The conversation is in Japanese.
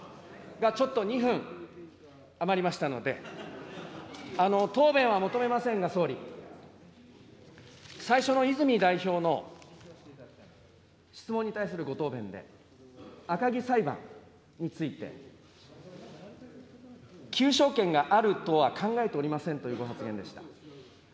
ちょっと２分、余りましたので、答弁は求めませんが、総理、最初の泉代表の質問に対するご答弁で、赤木裁判について、求償権があるとは考えておりませんというご発言でした。